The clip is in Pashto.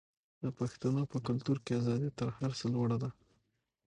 د پښتنو په کلتور کې ازادي تر هر څه لوړه ده.